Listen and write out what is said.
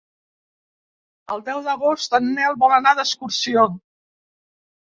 El deu d'agost en Nel vol anar d'excursió.